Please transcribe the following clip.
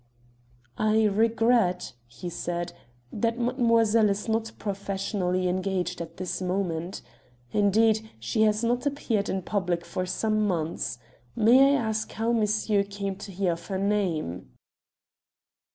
"I regret," he said, "that mademoiselle is not professionally engaged at this moment. Indeed, she has not appeared in public for some months. May I ask how monsieur came to hear of her name?"